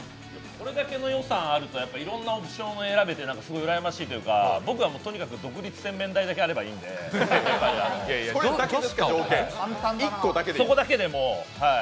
これだけの予算があるといろんなオプションが選べてうらやましいなというか僕はとにかく独立洗面台だけあればいいんで、そこだけで。